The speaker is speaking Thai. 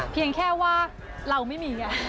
เพียงแค่ว่าเราไม่มีไง